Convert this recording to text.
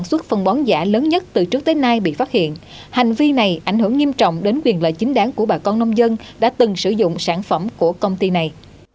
sản xuất phân bón giả lớn nhất từ trước tới nay bị phát hiện hành vi này ảnh hưởng nghiêm trọng đến quyền lợi chính đáng của bà con nông dân đã từng sử dụng sản phẩm của công ty này